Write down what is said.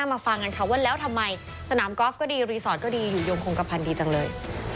มาฟังกันค่ะว่าแล้วทำไมสนามกอล์ฟก็ดีรีสอร์ทก็ดีอยู่ยงคงกระพันธ์ดีจังเลย